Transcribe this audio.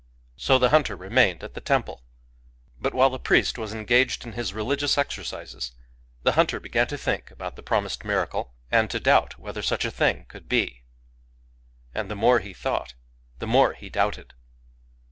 So the hunter remained at the temple. But while the priest was engaged in his religious exer cises, the hunter began to think about the prom ised miracle, and to doubt whether such a thing could be. And the more he thought, the more he doubted.